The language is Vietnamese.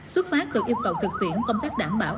xuất phát từ yêu cầu thực tiễn công tác đảm bảo